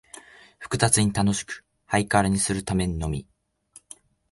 複雑に楽しく、ハイカラにするためにのみ、